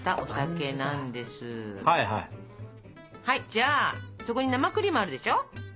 じゃあそこに生クリームがあるでしょ。